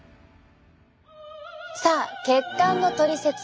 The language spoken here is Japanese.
さあ血管のトリセツ。